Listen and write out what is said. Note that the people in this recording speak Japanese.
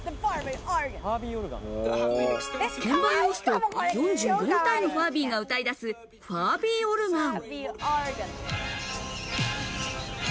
鍵盤を押すと４４体のファービーが歌い出すファービーオルガン。